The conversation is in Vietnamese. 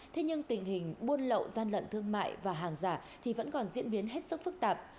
thế nhưng tình hình buôn lậu gian lận thương mại và hàng giả thì vẫn còn diễn biến hết sức phức tạp